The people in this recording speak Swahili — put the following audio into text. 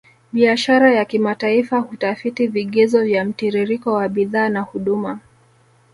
Biashara ya kimataifa hutafiti vigezo vya mtiririko wa bidhaa na huduma